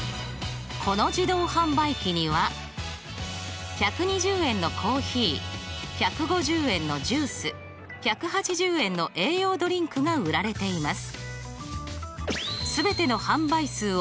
この自動販売機には１２０円のコーヒー１５０円のジュース１８０円の栄養ドリンクが売られています。